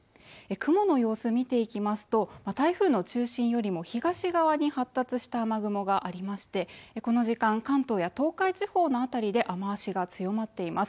雲の様子を見ていきますと、台風の中心よりも東側に発達した雨雲がありましてこの時間、関東や東海地方の辺りで雨足が強まっています。